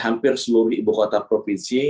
hampir seluruh ibu kota provinsi